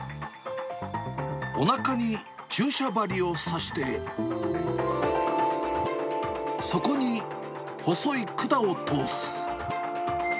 おなかに注射針を刺して、そこに細い管を通す。